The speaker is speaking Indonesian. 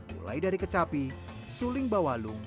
mulai dari kecapi suling bawalung